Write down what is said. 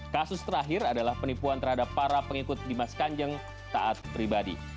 kasus terakhir adalah penipuan terhadap para pengikut dimas kanjeng taat pribadi